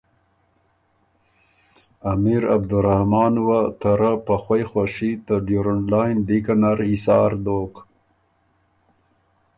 امیر عبدالرحمان وه ته رۀ په خوئ خوشي ته ډیورنډ لائن لیکه نر حصار دوک۔